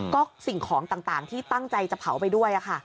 ก็สิ่งของต่างที่ตั้งใจจะเผาไปด้วยค่ะ